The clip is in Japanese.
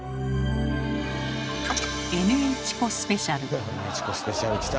「ＮＨコスペシャル」きた！